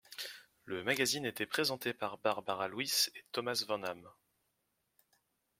Le magazine était présenté par Barbara Louys et Thomas Van Hamme.